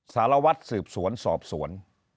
สารวัตรสืบสวนสอบสวน